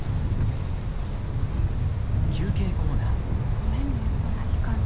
ごめんねこんな時間に。